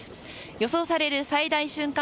予想される最大瞬間